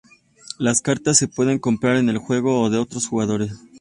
Las cartas se pueden comprar en el juego o de otros jugadores.